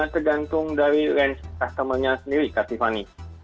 tergantung dari range customer nya sendiri kak tiffany